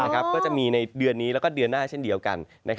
ก็จะมีในเดือนนี้แล้วก็เดือนหน้าเช่นเดียวกัน